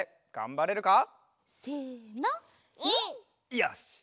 よし！